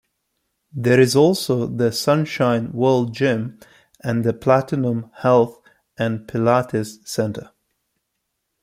There is also the Sunshine World Gym and the Platinum Health and Pilates centre.